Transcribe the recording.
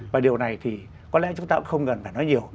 và điều này thì có lẽ chúng ta cũng không cần phải nói nhiều